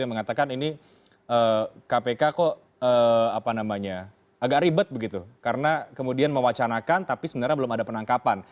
yang mengatakan ini kpk kok agak ribet begitu karena kemudian mewacanakan tapi sebenarnya belum ada penangkapan